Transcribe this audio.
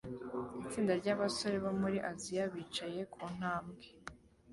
Itsinda ryabasore bo muri Aziya bicaye ku ntambwe